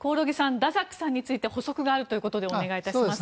ダザックさんについて補足があるということでお願いいたします。